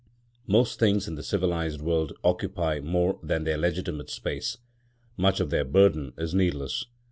Most things in the civilised world occupy more than their legitimate space. Much of their burden is needless.